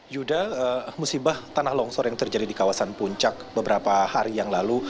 yuda musibah tanah longsor yang terjadi di kawasan puncak beberapa hari yang lalu